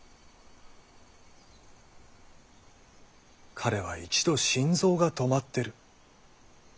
彼は一度心臓が止まってる。